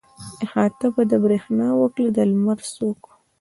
احاطه به د برېښنا وکړي د لمر څوک.